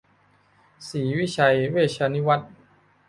ศรีวิชัยเวชวิวัฒน์